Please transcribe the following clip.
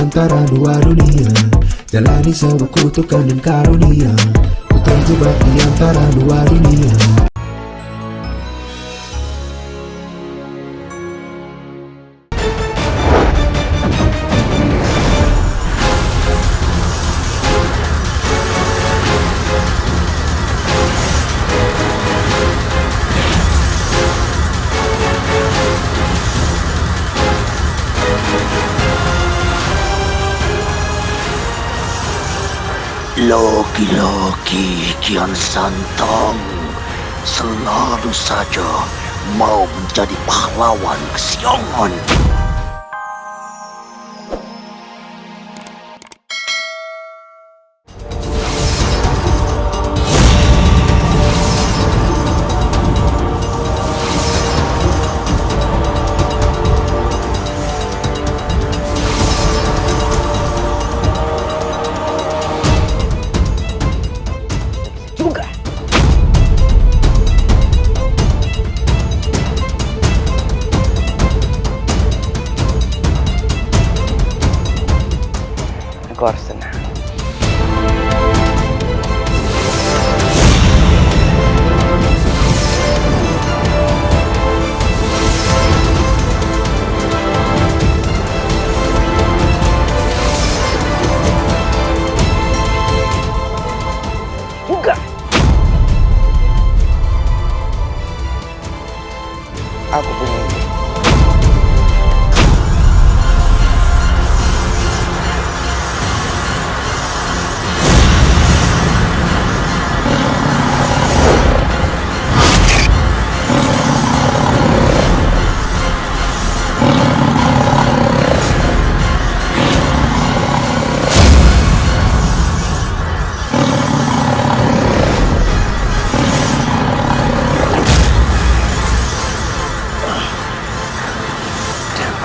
tukang dan karunia ku terjebak di antara dua dunia